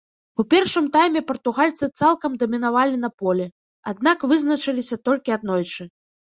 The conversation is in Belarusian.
У першым тайме партугальцы цалкам дамінавалі на полі, аднак вызначыліся толькі аднойчы.